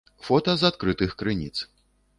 Фота з адкрытых крыніц.